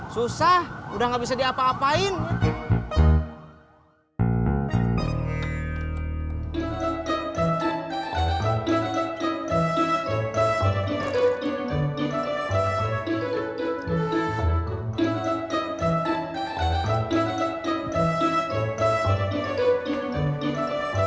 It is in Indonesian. kalau emang orangnya kurang pengetahuan mah